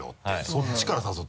そっちから誘って。